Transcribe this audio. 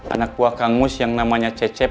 anak buah kang mus yang namanya cecep